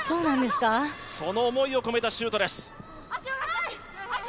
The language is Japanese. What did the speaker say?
その思いを込めたシュートです。